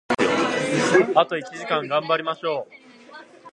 あと一時間、頑張りましょう！